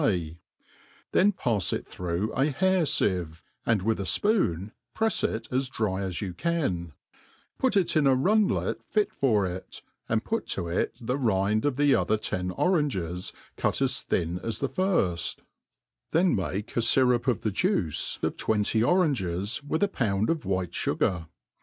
day ; then pafs it through a hair neve, and with a fpoon prefs it as dry as you can, put it in a runlet fit for it, and put to it the rincT' of the other ten oranges^ cut as thin as the firft; then make a fyrup of the juice of twenty oranges, with a pound of white fugar.